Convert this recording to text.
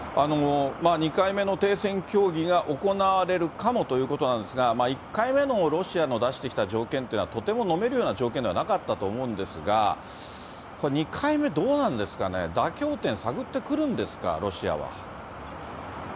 ２回目の停戦協議が行われるかもということなんですが、１回目のロシアの出してきた条件というのは、とても飲めるような条件ではなかったと思うんですが、これ、２回目、どうなるんですかね、妥協点、探ってくるんですか、ロシアは。